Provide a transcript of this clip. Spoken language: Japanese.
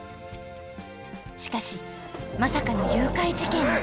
しかしまさかの誘拐事件に！